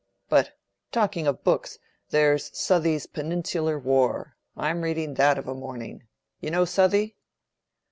But talking of books, there is Southey's 'Peninsular War.' I am reading that of a morning. You know Southey?"